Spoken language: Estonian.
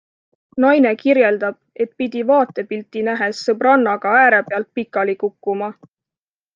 Naine kirjeldab, et pidi vaatepilti nähes sõbrannaga äärepealt pikali kukkuma.